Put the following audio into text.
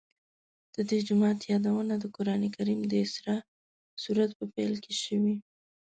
د دې جومات یادونه د قرآن کریم د اسراء سورت په پیل کې شوې.